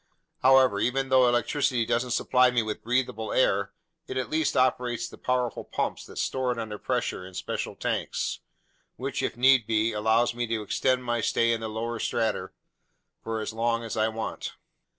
However, even though electricity doesn't supply me with breathable air, it at least operates the powerful pumps that store it under pressure in special tanks; which, if need be, allows me to extend my stay in the lower strata for as long as I want."